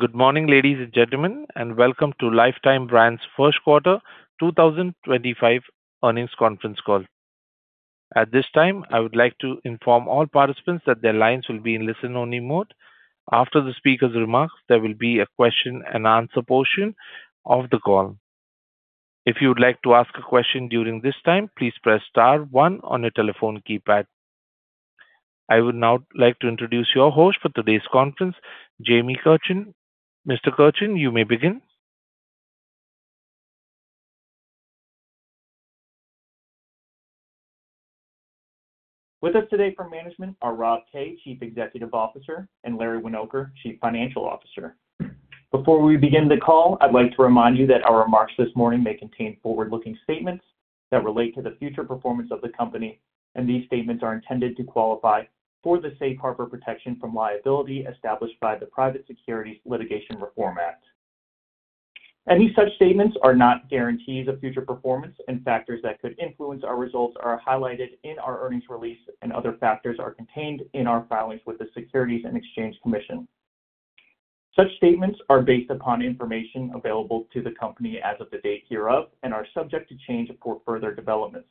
Good morning, ladies and gentlemen, and welcome to Lifetime Brands First Quarter 2025 Earnings Conference Call. At this time, I would like to inform all participants that their lines will be in listen-only mode. After the speaker's remarks, there will be a question-and-answer portion of the call. If you would like to ask a question during this time, please press star one on your telephone keypad. I would now like to introduce your host for today's conference, Jamie Kirchen. Mr. Kirchen, you may begin. With us today from management are Rob Kay, Chief Executive Officer, and Larry Winoker, Chief Financial Officer. Before we begin the call, I'd like to remind you that our remarks this morning may contain forward-looking statements that relate to the future performance of the company, and these statements are intended to qualify for the safe harbor protection from liability established by the Private Securities Litigation Reform Act. Any such statements are not guarantees of future performance, and factors that could influence our results are highlighted in our earnings release, and other factors are contained in our filings with the Securities and Exchange Commission. Such statements are based upon information available to the company as of the date hereof and are subject to change for further developments.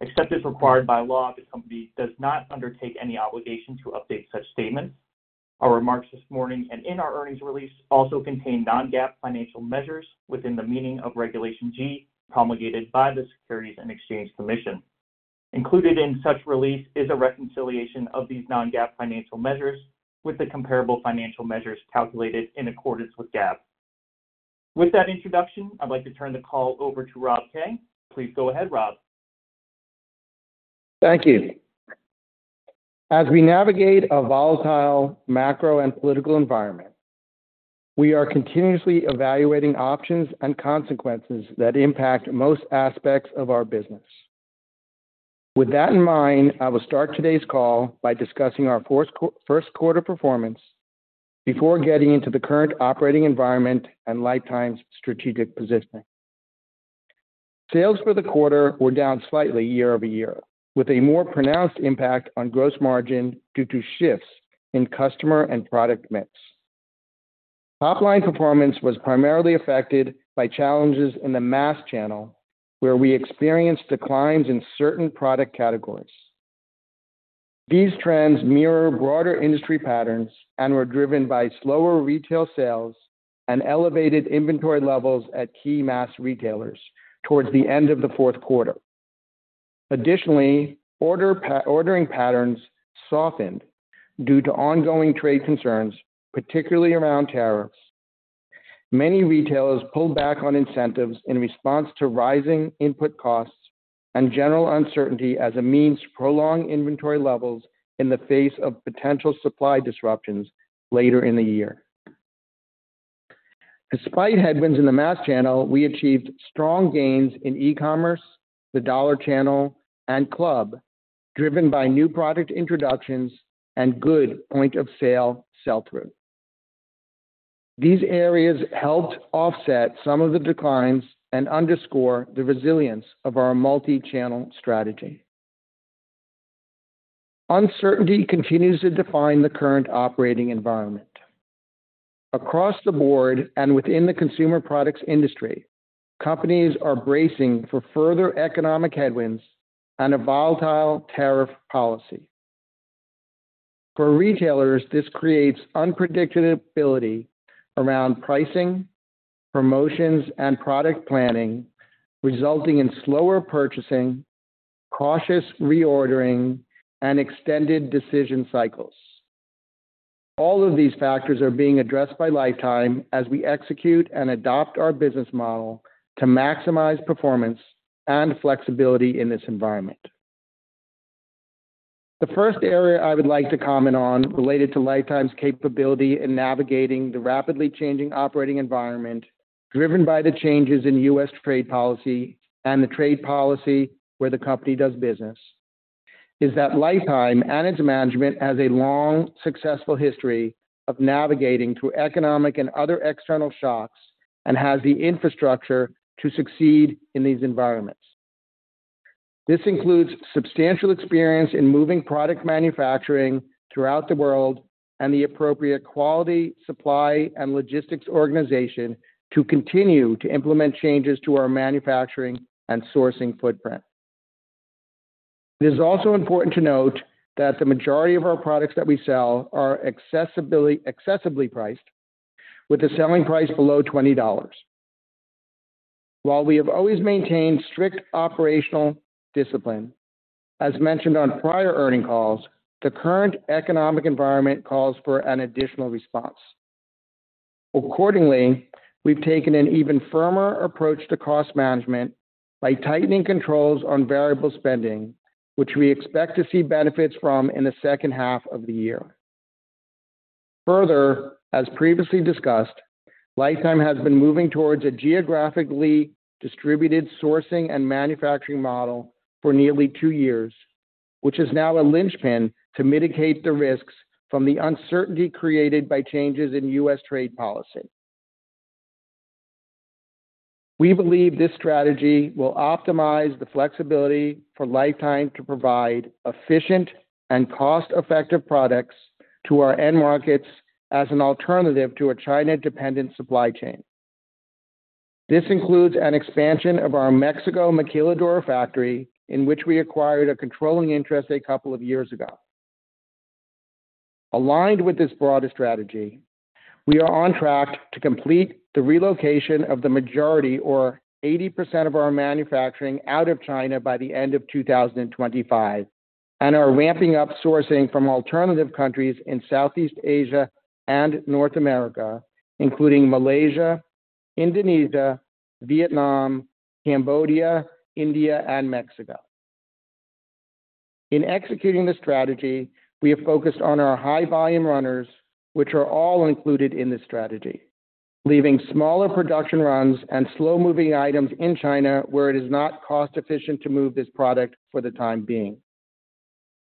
Except as required by law, the company does not undertake any obligation to update such statements. Our remarks this morning and in our earnings release also contain non-GAAP financial measures within the meaning of Regulation G promulgated by the Securities and Exchange Commission. Included in such release is a reconciliation of these non-GAAP financial measures with the comparable financial measures calculated in accordance with GAAP. With that introduction, I'd like to turn the call over to Rob Kay. Please go ahead, Rob. Thank you. As we navigate a volatile macro and political environment, we are continuously evaluating options and consequences that impact most aspects of our business. With that in mind, I will start today's call by discussing our first quarter performance before getting into the current operating environment and Lifetime's strategic positioning. Sales for the quarter were down slightly year-over-year, with a more pronounced impact on gross margin due to shifts in customer and product mix. Top-line performance was primarily affected by challenges in the mass channel, where we experienced declines in certain product categories. These trends mirror broader industry patterns and were driven by slower retail sales and elevated inventory levels at key mass retailers towards the end of the fourth quarter. Additionally, ordering patterns softened due to ongoing trade concerns, particularly around tariffs. Many retailers pulled back on incentives in response to rising input costs and general uncertainty as a means to prolong inventory levels in the face of potential supply disruptions later in the year. Despite headwinds in the mass channel, we achieved strong gains in e-commerce, the dollar channel, and club, driven by new product introductions and good point-of-sale sell-through. These areas helped offset some of the declines and underscore the resilience of our multi-channel strategy. Uncertainty continues to define the current operating environment. Across the board and within the consumer products industry, companies are bracing for further economic headwinds and a volatile tariff policy. For retailers, this creates unpredictability around Pricing, Promotions, and Product Planning, resulting in slower purchasing, cautious reordering, and extended decision cycles. All of these factors are being addressed by Lifetime as we execute and adapt our business model to maximize performance and flexibility in this environment. The first area I would like to comment on related to Lifetime's capability in navigating the rapidly changing operating environment, driven by the changes in U.S. trade policy and the trade policy where the company does business, is that Lifetime and its management has a long, successful history of navigating through economic and other external shocks and has the infrastructure to succeed in these environments. This includes substantial experience in moving product manufacturing throughout the world and the appropriate quality, supply, and logistics organization to continue to implement changes to our manufacturing and sourcing footprint. It is also important to note that the majority of our products that we sell are accessibly priced, with a selling price below $20. While we have always maintained strict operational discipline, as mentioned on prior earnings calls, the current economic environment calls for an additional response. Accordingly, we've taken an even firmer approach to cost management by tightening controls on variable spending, which we expect to see benefits from in the second half of the year. Further, as previously discussed, Lifetime has been moving towards a geographically distributed sourcing and manufacturing model for nearly two years, which is now a linchpin to mitigate the risks from the uncertainty created by changes in U.S. trade policy. We believe this strategy will optimize the flexibility for Lifetime to provide efficient and cost-effective products to our end markets as an alternative to a China-dependent supply chain. This includes an expansion of our Mexico Maquiladora factory, in which we acquired a controlling interest a couple of years ago. Aligned with this broader strategy, we are on track to complete the relocation of the majority, or 80%, of our manufacturing out of China by the end of 2025 and are ramping up sourcing from alternative countries in Southeast Asia and North America, including Malaysia, Indonesia, Vietnam, Cambodia, India, and Mexico. In executing the strategy, we have focused on our high-volume runners, which are all included in this strategy, leaving smaller production runs and slow-moving items in China where it is not cost-efficient to move this product for the time being.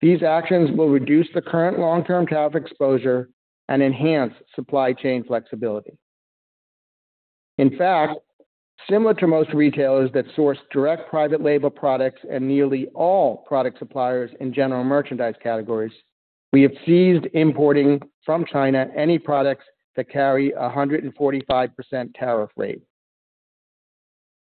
These actions will reduce the current Long-Term Tariff Exposure and enhance supply chain flexibility. In fact, similar to most retailers that source direct private label products and nearly all product suppliers in general merchandise categories, we have ceased importing from China any products that carry a 145% tariff rate.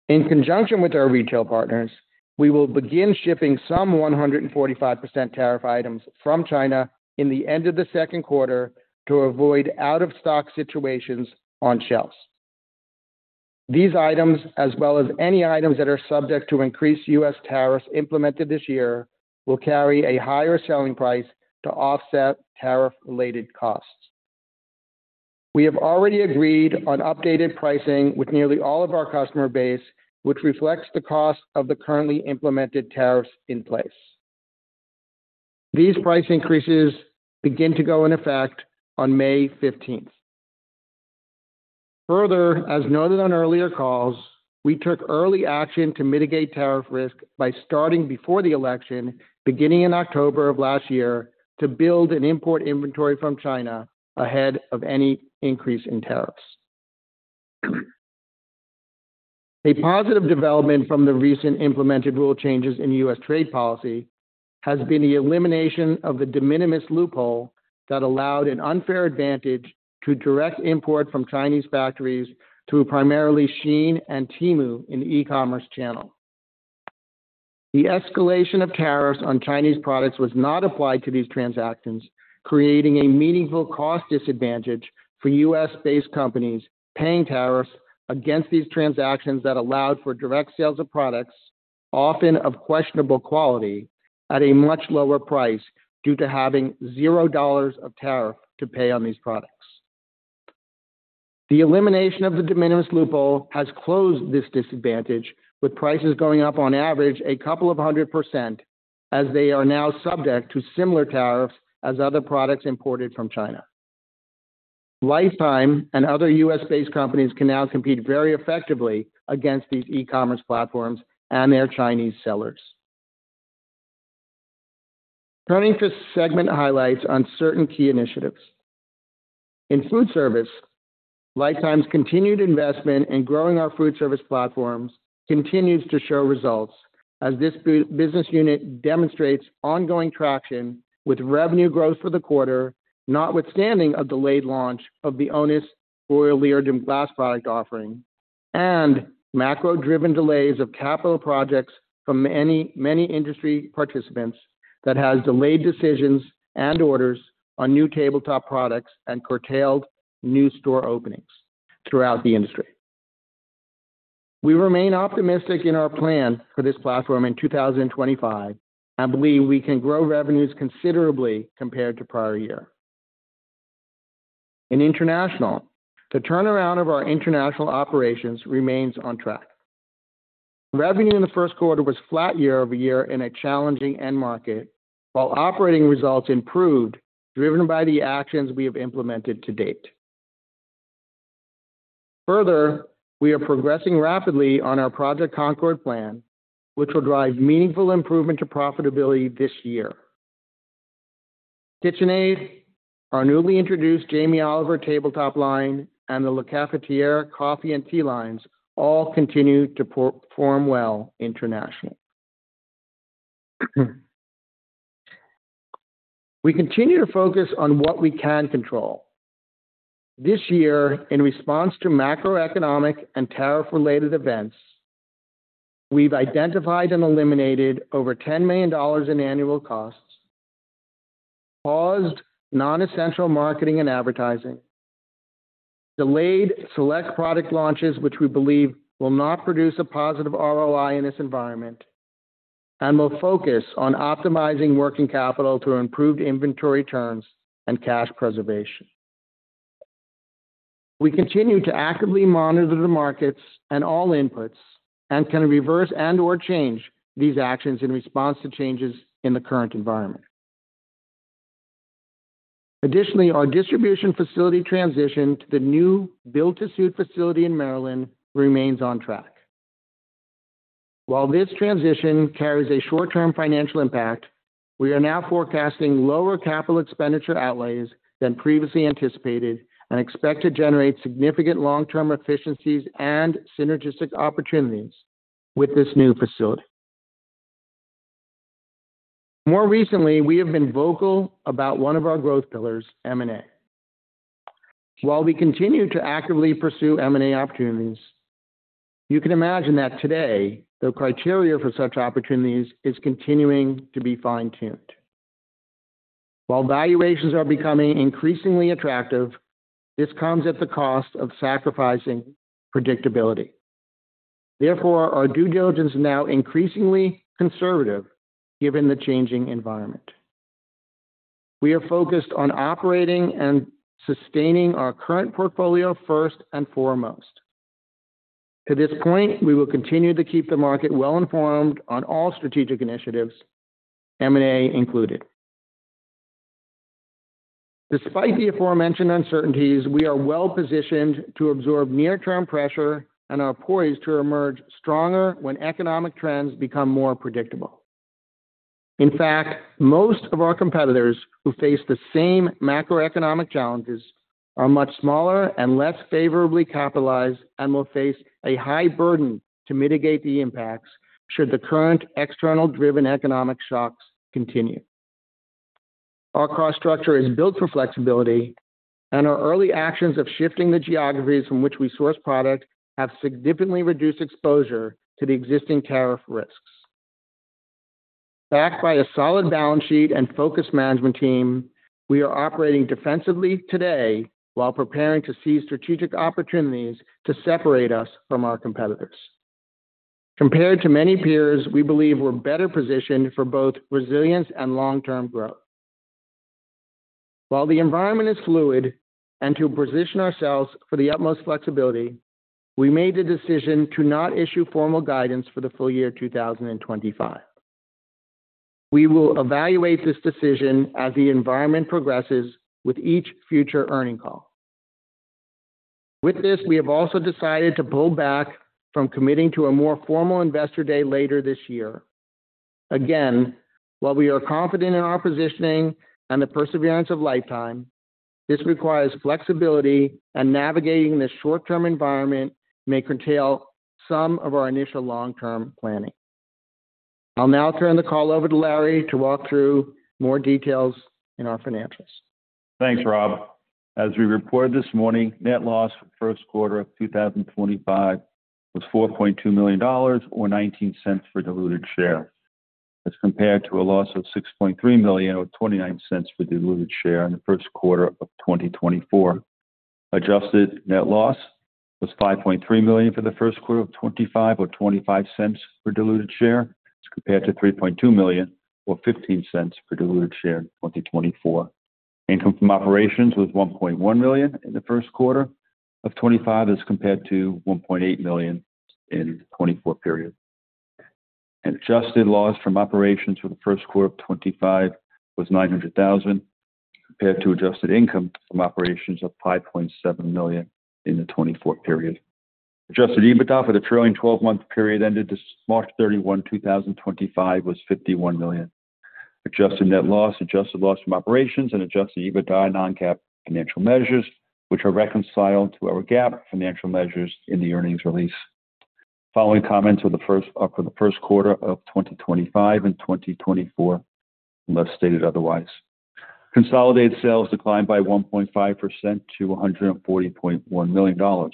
In conjunction with our retail partners, we will begin shipping some 145% tariff items from China in the end of the second quarter to avoid out-of-stock situations on shelves. These items, as well as any items that are subject to increased U.S. tariffs implemented this year, will carry a higher selling price to offset tariff-related costs. We have already agreed on updated pricing with nearly all of our customer base, which reflects the cost of the currently implemented tariffs in place. These price increases begin to go into effect on May 15th. Further, as noted on earlier calls, we took early action to mitigate tariff risk by starting before the election, beginning in October of last year, to build and import inventory from China ahead of any increase in tariffs. A positive development from the recent implemented rule changes in U.S. trade policy has been the elimination of the De Minimis loophole that allowed an unfair advantage to direct import from Chinese factories through primarily Shein and Temu in the E-commerce channel. The escalation of tariffs on Chinese products was not applied to these transactions, creating a meaningful cost disadvantage for U.S. based companies paying tariffs against these transactions that allowed for direct sales of products, often of questionable quality, at a much lower price due to having $0 of tariff to pay on these products. The elimination of the De Minimis loophole has closed this disadvantage, with prices going up on average a couple of hundred percent, as they are now subject to similar tariffs as other products imported from China. Lifetime and other U.S. based companies can now compete very effectively against these E-commerce platforms and their Chinese sellers. Turning to segment highlights on certain key initiatives. In food service, Lifetime's continued investment in growing our food service platforms continues to show results, as this business unit demonstrates ongoing traction with revenue growth for the quarter, notwithstanding a delayed launch of the ONIS Royal Leerdam glass product offering and macro-driven delays of capital projects from many industry participants that have delayed decisions and orders on new tabletop products and curtailed new store openings throughout the industry. We remain optimistic in our plan for this platform in 2025 and believe we can grow revenues considerably compared to prior year. In international, the turnaround of our international operations remains on track. Revenue in the first quarter was flat year-over-year in a challenging end market, while operating results improved, driven by the actions we have implemented to date. Further, we are progressing rapidly on our Project Concord plan, which will drive meaningful improvement to profitability this year. KitchenAid, our newly introduced Jamie Oliver tabletop line, and the Le Cafetièr coffee and tea lines all continue to perform well internationally. We continue to focus on what we can control. This year, in response to macroeconomic and tariff-related events, we've identified and eliminated over $10 million in annual costs, paused non-essential marketing and advertising, delayed select product launches, which we believe will not produce a positive ROI in this environment, and will focus on optimizing working capital through improved inventory turns and cash preservation. We continue to actively monitor the markets and all inputs and can reverse and/or change these actions in response to changes in the current environment. Additionally, our distribution facility transition to the new Build to Suit facility in Maryland remains on track. While this transition carries a short-term financial impact, we are now forecasting lower capital expenditure outlays than previously anticipated and expect to generate significant long-term efficiencies and synergistic opportunities with this new facility. More recently, we have been vocal about one of our growth pillars, M&A. While we continue to actively pursue M&A opportunities, you can imagine that today, the criteria for such opportunities is continuing to be fine-tuned. While valuations are becoming increasingly attractive, this comes at the cost of sacrificing predictability. Therefore, our due diligence is now increasingly conservative given the changing environment. We are focused on operating and sustaining our current portfolio first and foremost. To this point, we will continue to keep the market well informed on all strategic initiatives, M&A included. Despite the aforementioned uncertainties, we are well positioned to absorb Near-term pressure and are poised to emerge stronger when economic trends become more predictable. In fact, most of our competitors who face the same macroeconomic challenges are much smaller and less favorably capitalized and will face a high burden to mitigate the impacts should the current external-driven economic shocks continue. Our cost structure is built for flexibility, and our early actions of shifting the geographies from which we source product have significantly reduced exposure to the existing tariff risks. Backed by a solid balance sheet and focused management team, we are operating defensively today while preparing to seize strategic opportunities to separate us from our competitors. Compared to many peers, we believe we're better positioned for both resilience and long-term growth. While the environment is fluid and to position ourselves for the utmost flexibility, we made the decision to not issue formal guidance for the full year 2025. We will evaluate this decision as the environment progresses with each future earnings call. With this, we have also decided to pull back from committing to a more formal investor day later this year. Again, while we are confident in our positioning and the perseverance of Lifetime, this requires flexibility, and navigating this short-term environment may curtail some of our initial long-term planning. I'll now turn the call over to Larry to walk through more details in our financials. Thanks, Rob. As we reported this morning, net loss for the first quarter of 2025 was $4.2 million, or $0.19 for diluted shares, as compared to a loss of $6.3 million, or $0.29 for diluted shares in the first quarter of 2024. Adjusted net loss was $5.3 million for the first quarter of 2025, or $0.25 for diluted shares, as compared to $3.2 million, or $0.15 for diluted shares in 2024. Income from operations was $1.1 million in the first quarter of 2025, as compared to $1.8 million in the 2024 period. Adjusted loss from operations for the first quarter of 2025 was $900,000, compared to adjusted income from operations of $5.7 million in the 2024 period. Adjusted EBITDA for the trailing 12-month period ended March 31, 2025, was $51 million. Adjusted net loss, adjusted loss from operations, and adjusted EBITDA are non-GAAP financial measures, which are reconciled to our GAAP financial measures in the earnings release. Following comments for the first quarter of 2025 and 2024, unless stated otherwise, consolidated sales declined by 1.5% to $140.1 million.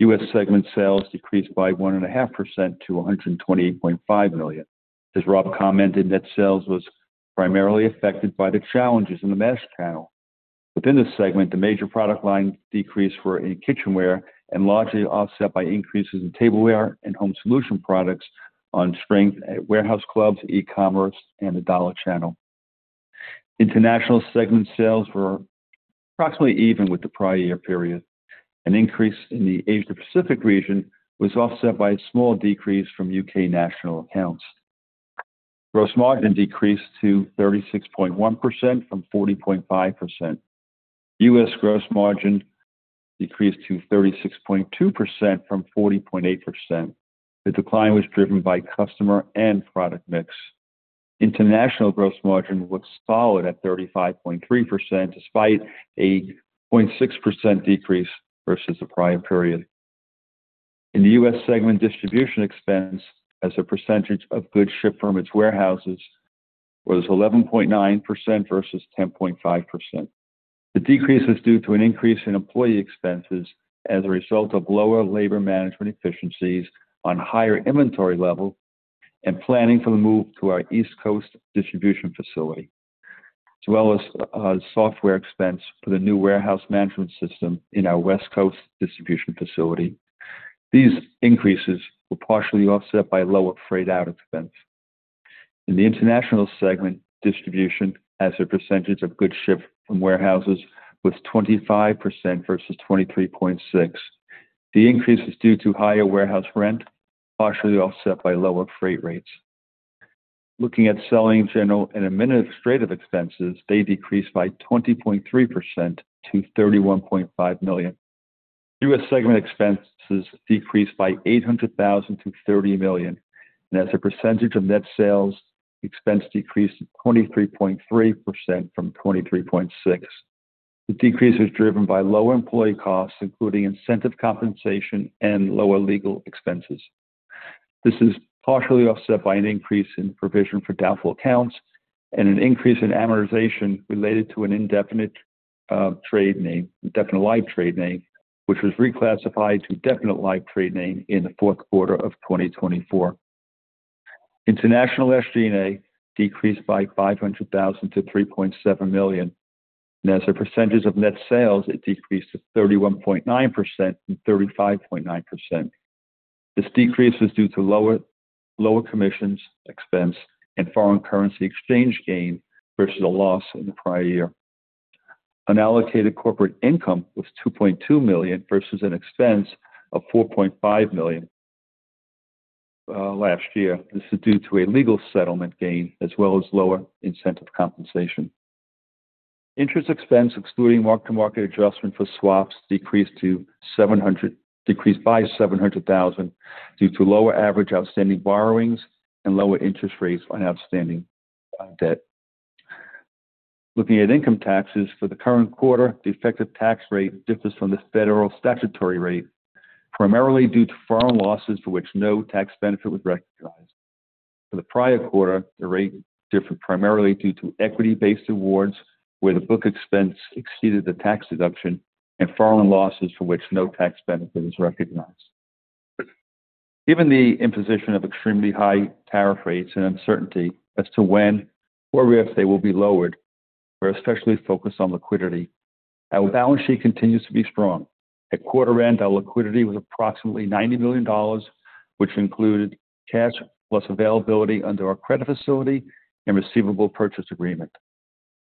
U.S. segment sales decreased by 1.5% to $128.5 million. As Rob commented, net sales was primarily affected by the challenges in the Mesh Panel. Within the segment, the major product lines decreased for kitchenware and largely offset by increases in tableware and home solution products on strength at warehouse clubs, e-commerce, and the dollar channel. International segment sales were approximately even with the prior year period. An increase in the Asia-Pacific region was offset by a small decrease from U.K. national accounts. Gross margin decreased to 36.1% from 40.5%. U.S. gross margin decreased to 36.2% from 40.8%. The decline was driven by customer and product mix. International Gross Margin looked solid at 35.3% despite a 0.6% decrease versus the prior period. In the U.S. segment, distribution expense as a percentage of goods shipped from its warehouses was 11.9% versus 10.5%. The decrease was due to an increase in employee expenses as a result of lower labor management efficiencies on higher inventory levels and planning for the move to our East Coast distribution facility, as well as software expense for the new Warehouse Management System in our West Coast distribution facility. These increases were partially offset by lower freight out expense. In the International segment, distribution as a percentage of goods shipped from warehouses was 25% versus 23.6%. The increase was due to higher warehouse rent, partially offset by lower freight rates. Looking at selling general and administrative expenses, they decreased by 20.3% to $31.5 million. U.S. segment expenses decreased by $800,000 to $30 million, and as a percentage of net sales, expense decreased to 23.3% from 23.6%. The decrease was driven by lower employee costs, including incentive compensation and lower legal expenses. This is partially offset by an increase in provision for doubtful accounts and an increase in amortization related to an indefinite trade name, indefinite live trade name, which was reclassified to definite live trade name in the fourth quarter of 2024. International SG&A decreased by $500,000 to $3.7 million, and as a percentage of net sales, it decreased to 31.9% from 35.9%. This decrease was due to lower commissions expense and foreign currency exchange gain versus a loss in the prior year. Unallocated corporate income was $2.2 million versus an expense of $4.5 million last year. This is due to a legal settlement gain as well as lower incentive compensation. Interest expense, excluding mark-to-market adjustment for swaps, decreased by $700,000 due to lower average outstanding borrowings and lower interest rates on outstanding debt. Looking at income taxes for the current quarter, the effective tax rate differs from the Federal Statutory Rate, primarily due to foreign losses for which no tax benefit was recognized. For the prior quarter, the rate differed primarily due to equity-based awards where the book expense exceeded the tax deduction and foreign losses for which no tax benefit was recognized. Given the imposition of extremely high tariff rates and uncertainty as to when or if they will be lowered, we're especially focused on liquidity. Our balance sheet continues to be strong. At quarter end, our liquidity was approximately $90 million, which included cash plus availability under our credit facility and receivable purchase agreement.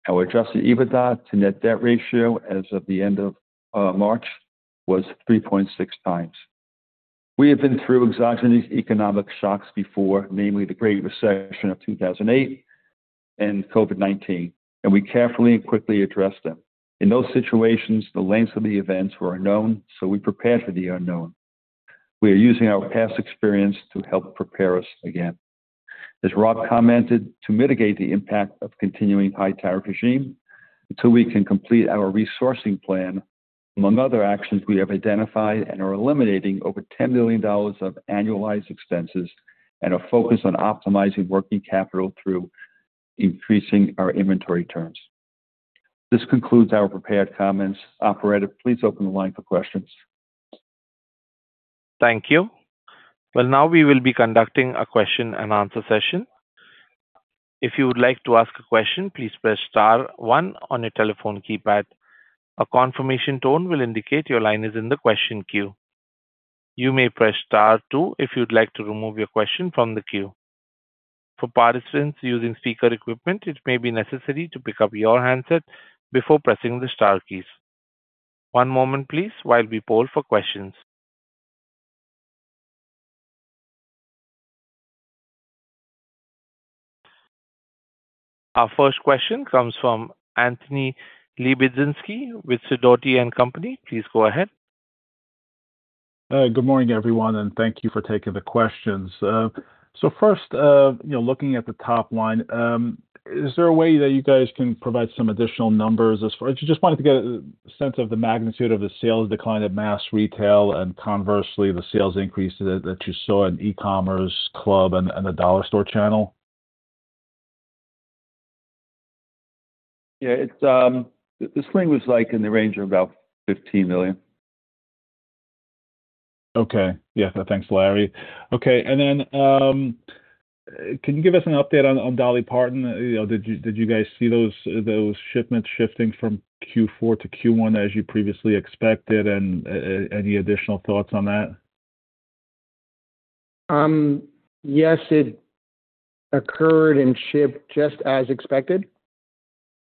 Our adjusted EBITDA to Net Debt Ratio as of the end of March was 3.6 times. We have been through exogenous economic shocks before, namely the Great Recession of 2008 and COVID-19, and we carefully and quickly addressed them. In those situations, the length of the events were unknown, so we prepared for the unknown. We are using our past experience to help prepare us again. As Rob commented, to mitigate the impact of continuing high tariff regime, until we can complete our resourcing plan, among other actions we have identified and are eliminating over $10 million of annualized expenses and are focused on optimizing working capital through increasing our inventory turns. This concludes our prepared comments. Operator, please open the line for questions. Thank you. Now we will be conducting a question and answer session. If you would like to ask a question, please press Star One on your telephone keypad. A confirmation tone will indicate your line is in the question queue. You may press Star Two if you'd like to remove your question from the queue. For participants using speaker equipment, it may be necessary to pick up your handset before pressing the Star keys. One moment, please, while we poll for questions. Our first question comes from Anthony Lebiedzinski with Sidoti & Company. Please go ahead. Good morning, everyone, and thank you for taking the questions. So first, you know, looking at the top line, is there a way that you guys can provide some additional numbers as far as you just wanted to get a sense of the magnitude of the sales decline at mass retail and conversely, the sales increase that you saw in e-commerce, club, and the dollar store channel? Yeah, this thing was like in the range of about $15 million. Okay. Yeah, thanks, Larry. Okay. Can you give us an update on Dolly Parton? Did you guys see those shipments shifting from Q4 to Q1 as you previously expected? Any additional thoughts on that? Yes, it occurred and shipped just as expected.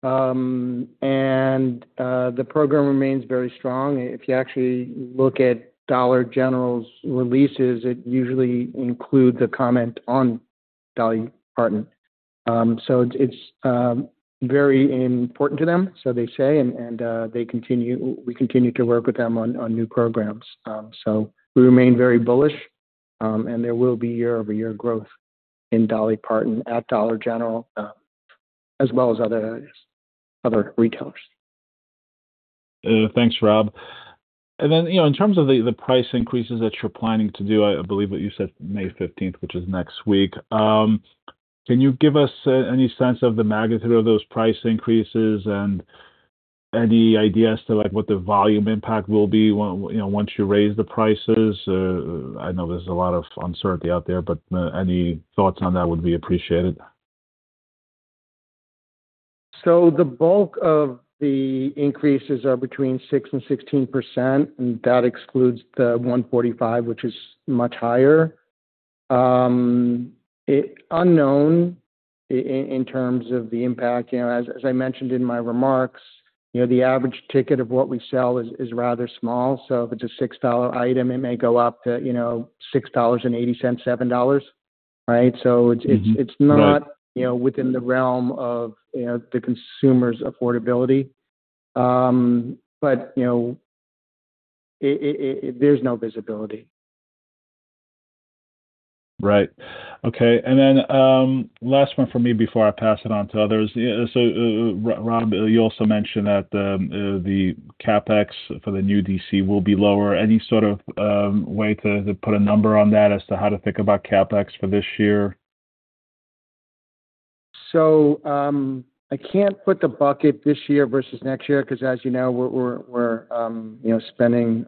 The program remains very strong. If you actually look at Dollar General's releases, it usually includes a comment on Dolly Parton. It is very important to them, so they say, and we continue to work with them on new programs. We remain very bullish, and there will be year-over-year growth in Dolly Parton at Dollar General, as well as other retailers. Thanks, Rob. In terms of the price increases that you're planning to do, I believe that you said May 15th, which is next week. Can you give us any sense of the magnitude of those price increases and any idea as to what the volume impact will be once you raise the prices? I know there's a lot of uncertainty out there, but any thoughts on that would be appreciated. The bulk of the increases are between 6%-16%, and that excludes the $145, which is much higher. Unknown in terms of the impact. You know, as I mentioned in my remarks, you know, the average ticket of what we sell is rather small. If it's a $6 item, it may go up to, you know, $6.80, $7, right? It's not, you know, within the realm of, you know, the consumer's affordability. You know, there's no visibility. Right. Okay. Last one for me before I pass it on to others. Rob, you also mentioned that the CapEx for the new DC will be lower. Any sort of way to put a number on that as to how to think about CapEx for this year? I cannot put the bucket this year versus next year because, as you know, we are, you know, spending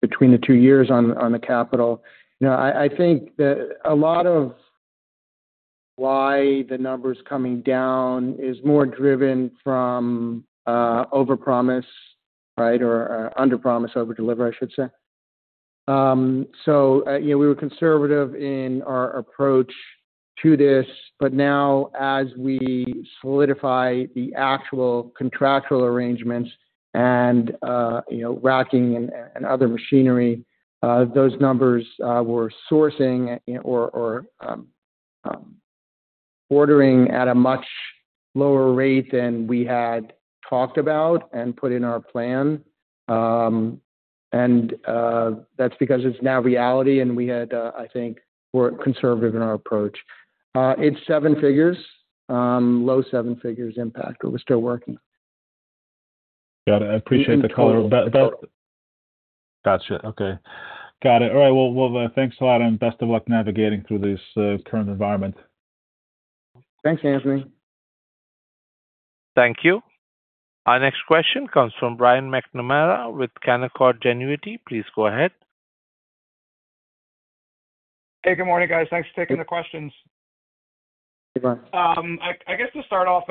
between the two years on the capital. I think that a lot of why the number is coming down is more driven from over-promise, right, or under-promise, over-delivery, I should say. We were conservative in our approach to this, but now, as we solidify the actual contractual arrangements and, you know, racking and other machinery, those numbers we are sourcing or ordering at a much lower rate than we had talked about and put in our plan. That is because it is now reality, and we had, I think, we are conservative in our approach. It's seven figures, low seven figures impact. We're still working. Got it. I appreciate the color. Gotcha. Okay. Got it. All right. Thanks a lot, and best of luck navigating through this current environment. Thanks, Anthony. Thank you. Our next question comes from Brian McNamara with Canaccord Genuity. Please go ahead. Hey, good morning, guys. Thanks for taking the questions. Hey, Brian. I guess to start off,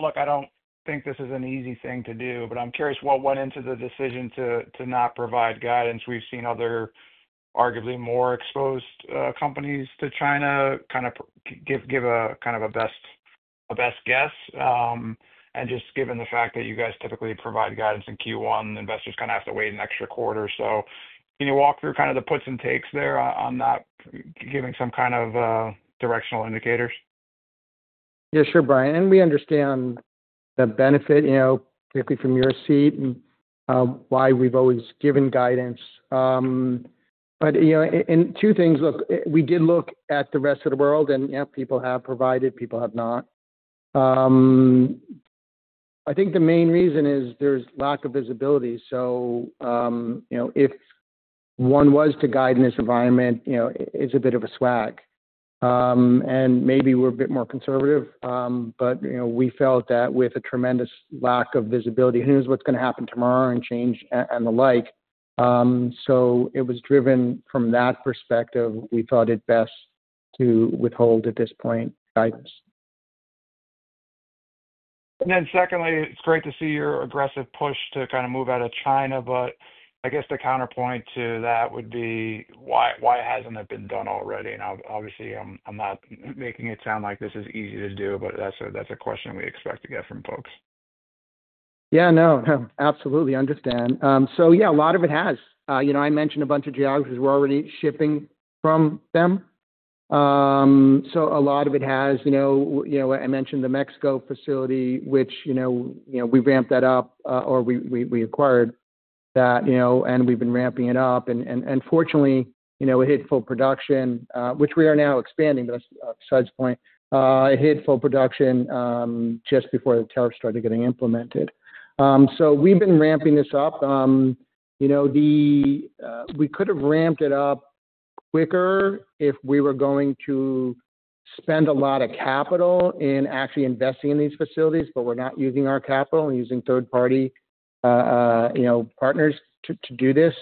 look, I don't think this is an easy thing to do, but I'm curious what went into the decision to not provide guidance. We've seen other, arguably more exposed companies to China kind of give a kind of a best guess. Just given the fact that you guys typically provide guidance in Q1, investors kind of have to wait an extra quarter or so, can you walk through kind of the puts and takes there on that, giving some kind of directional indicators? Yeah, sure, Brian. We understand the benefit, you know, particularly from your seat, why we've always given guidance. Two things. Look, we did look at the rest of the world, and yeah, people have provided, people have not. I think the main reason is there's lack of visibility. If one was to guide in this environment, you know, it's a bit of a swag. Maybe we're a bit more conservative, but, you know, we felt that with a tremendous lack of visibility, who knows what's going to happen tomorrow and change and the like. It was driven from that perspective. We thought it best to withhold at this point. Guidance. Secondly, it's great to see your aggressive push to kind of move out of China, but I guess the counterpoint to that would be why hasn't it been done already? Obviously, I'm not making it sound like this is easy to do, but that's a question we expect to get from folks. Yeah, absolutely understand. A lot of it has. You know, I mentioned a bunch of geographies we're already shipping from them. A lot of it has, you know, I mentioned the Mexico facility, which, you know, we ramped that up or we acquired that, you know, and we've been ramping it up. Fortunately, you know, it hit full production, which we are now expanding, but that's besides the point. It hit full production just before the tariffs started getting implemented. We've been ramping this up. You know, we could have ramped it up quicker if we were going to spend a lot of capital in actually investing in these facilities, but we're not using our capital and using third-party, you know, partners to do this.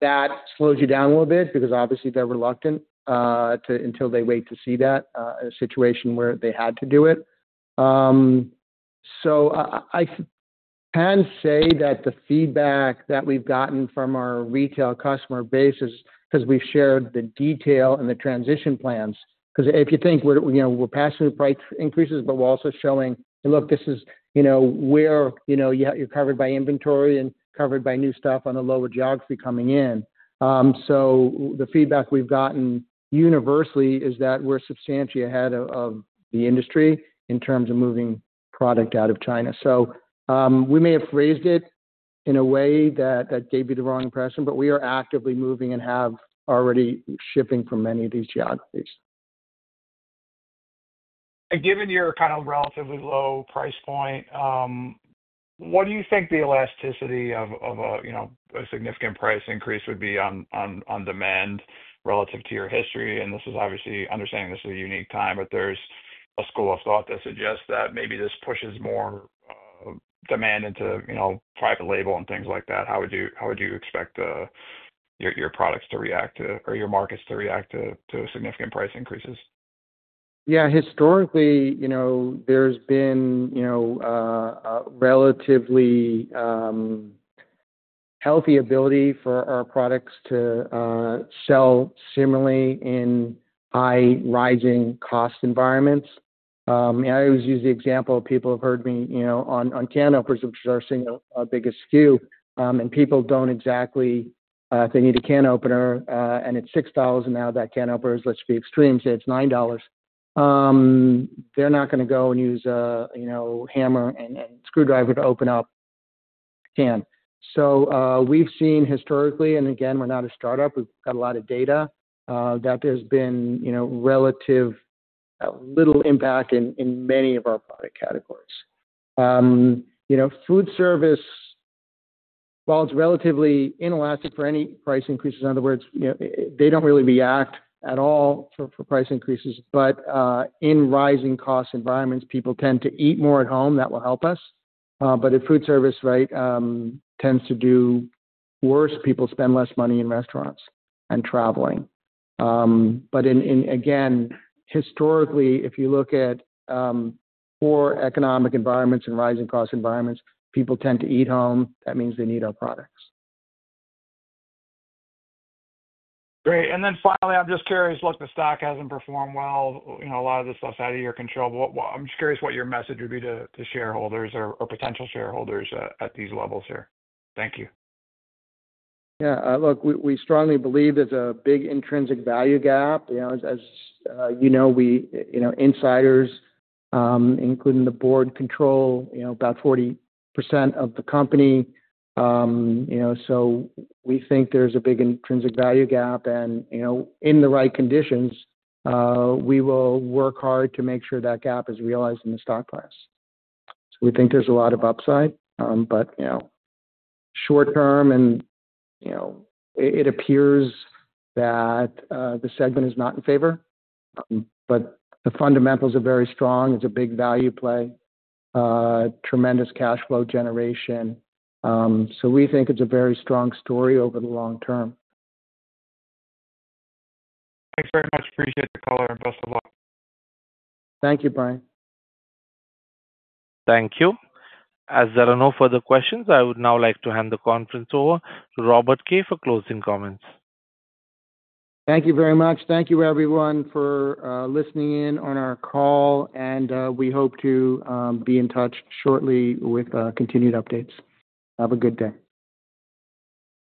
That slows you down a little bit because obviously they're reluctant until they wait to see that in a situation where they had to do it. I can say that the feedback that we've gotten from our retail customer base is because we've shared the detail and the transition plans. If you think we're passing the price increases, but we're also showing, look, this is, you know, where you're covered by inventory and covered by new stuff on a lower geography coming in. The feedback we've gotten universally is that we're substantially ahead of the industry in terms of moving product out of China. We may have phrased it in a way that gave you the wrong impression, but we are actively moving and have already shipping from many of these geographies. Given your kind of relatively low price point, what do you think the elasticity of a, you know, a significant price increase would be on demand relative to your history? This is obviously understanding this is a unique time, but there's a school of thought that suggests that maybe this pushes more demand into, you know, private label and things like that. How would you expect your products to react to, or your markets to react to significant price increases? Yeah, historically, you know, there's been, you know, a relatively healthy ability for our products to sell similarly in high rising cost environments. I always use the example of people who have heard me, you know, on Can Openers, which are single our biggest SKU, and people don't exactly, if they need a can opener and it's $6 now, that can opener is, let's be extreme, say it's $9. They're not going to go and use a, you know, hammer and screwdriver to open up a can. So we've seen historically, and again, we're not a startup, we've got a lot of data, that there's been, you know, relative little impact in many of our product categories. You know, food service, while it's relatively inelastic for any price increases, in other words, you know, they don't really react at all for price increases. In rising cost environments, people tend to eat more at home. That will help us. If food service, right, tends to do worse, people spend less money in restaurants and traveling. Historically, if you look at poor economic environments and rising cost environments, people tend to eat home. That means they need our products. Great. Finally, I'm just curious, look, the stock hasn't performed well. You know, a lot of this stuff's out of your control. I'm just curious what your message would be to shareholders or potential shareholders at these levels here. Thank you. Yeah, look, we strongly believe there's a big intrinsic value gap. You know, as you know, we, you know, insiders, including the board, control, you know, about 40% of the company. You know, so we think there's a big intrinsic value gap. And, you know, in the right conditions, we will work hard to make sure that gap is realized in the stock price. We think there's a lot of upside, but, you know, short term and, you know, it appears that the segment is not in favor, but the fundamentals are very strong. It's a big value play, tremendous cash flow generation. We think it's a very strong story over the long term. Thanks very much. Appreciate the color and best of luck. Thank you, Brian. Thank you. As there are no further questions, I would now like to hand the conference over to Robert Kay for closing comments. Thank you very much. Thank you, everyone, for listening in on our call, and we hope to be in touch shortly with continued updates. Have a good day.